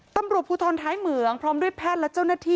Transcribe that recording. ตำรวจภูทรท้ายเหมืองพร้อมด้วยแพทย์และเจ้าหน้าที่